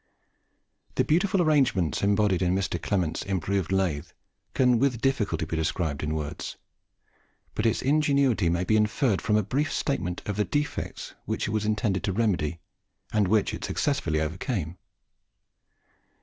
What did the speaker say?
The beautiful arrangements embodied in Mr. Clement's improved lathe can with difficulty be described in words; but its ingenuity may be inferred from a brief statement of the defects which it was invented to remedy, and which it successfully overcame.